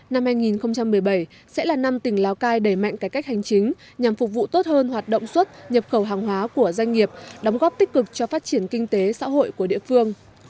năm hai nghìn một mươi bảy sẽ là năm tỉnh lào cai đẩy mạnh cải cách hành chính nhằm phục vụ tốt hơn hoạt động xuất nhập khẩu hàng hóa của doanh nghiệp đóng góp tích cực cho phát triển kinh tế xã hội của địa phương